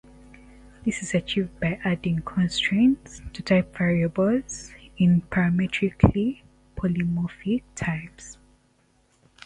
This is achieved by adding constraints to type variables in parametrically polymorphic types.